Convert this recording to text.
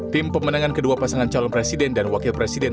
tim pemenangan kedua pasangan calon presiden dan wakil presiden